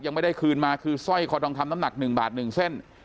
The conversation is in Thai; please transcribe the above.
ยังไม่ได้คืนมาคือสร้อยคอทองคำน้ำหนัก๑บาท๑เส้น